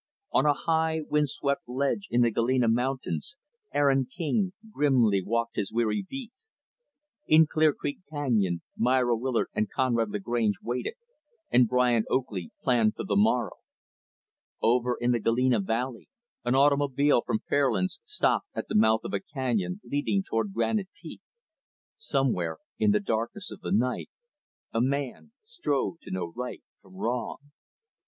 On a high, wind swept ledge in the Galena mountains, Aaron King grimly walked his weary beat. In Clear Creek Canyon, Myra Willard and Conrad Lagrange waited, and Brian Oakley planned for the morrow. Over in the Galena Valley, an automobile from Fairlands stopped at the mouth of a canyon leading toward Granite Peak. Somewhere, in the darkness of the night, a man strove to know right from wrong.